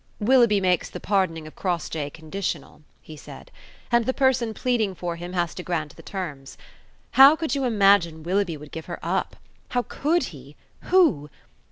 "Willoughby makes the pardoning of Crossjay conditional," he said, "and the person pleading for him has to grant the terms. How could you imagine Willoughby would give her up! How could he! Who!